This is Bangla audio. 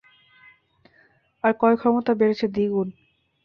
আর ক্রয়ক্ষমতা বেড়েছে দ্বিগুণ।